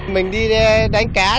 mình đi đánh cá